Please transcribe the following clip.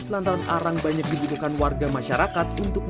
seorang produsen arang kayu di banyumas jawa tengah bisa merab uang hingga rp jutaan